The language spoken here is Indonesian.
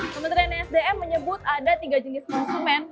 kementerian sdm menyebut ada tiga jenis konsumen